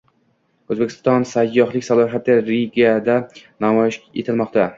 O‘zbekiston sayyohlik salohiyati Rigada namoyish etilmoqda